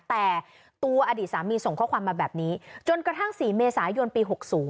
แต่ตัวอดีตสามีส่งข้อความมาแบบนี้จนกระทั่ง๔เมษายนปี๖๐